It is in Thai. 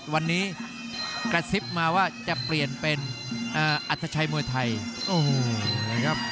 วันนี้กระซิบมาว่าจะเปลี่ยนเป็นอัธชัยมวยไทย